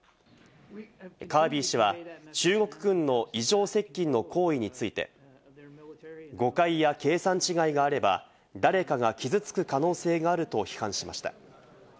カービー氏は中国軍の異常接近の行為について、誤解や計算違いがあれば、誰かが傷つく可能性があると批判しました。